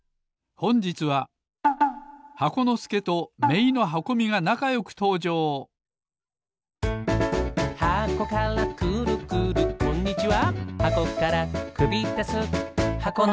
ほんじつは箱のすけとめいのはこみがなかよくとうじょうこんにちは。